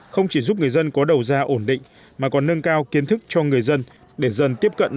không chỉ giúp người dân có đầu ra ổn định mà còn nâng cao kiến thức cho người dân để dần tiếp cận